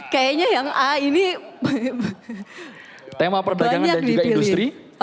kayaknya yang a ini banyak dipilih